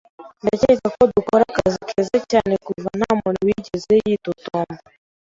Ndakeka ko dukora akazi keza cyane kuva ntamuntu wigeze yitotomba.